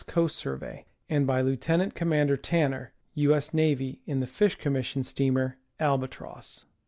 Coast Survey, and by Lieutenant Com mander Tanner, U. S. N., in the Fish Commission steamer Alba tross.